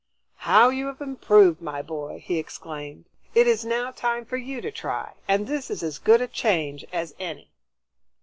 "How you have improved, my boy!" he exclaimed. "It is now time for you to try, and this is as good a change as any."